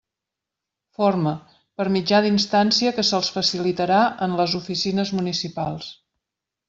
Forma: per mitjà d'instància que se'ls facilitarà en les oficines municipals.